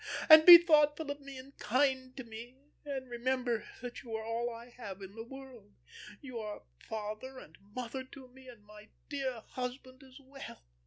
And be thoughtful of me and kind to me. And remember that you are all I have in the world; you are father and mother to me, and my dear husband as well.